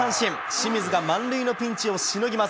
清水が満塁のピンチをしのぎます。